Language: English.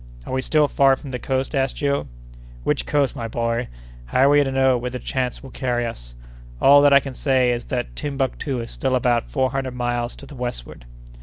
"Are we still far from the coast?" asked Joe. "Which coast, my boy? How are we to know whither chance will carry us? All that I can say is, that Timbuctoo is still about four hundred miles to the westward.